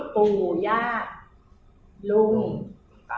ผู้ย่าลุง